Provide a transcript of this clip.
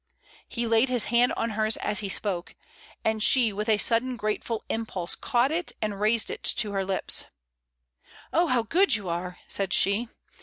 He laid his hand on hers as he spoke, and she with a sudden grateful impulse caught it and raised it to her lips. "Oh, how good you are!" said she.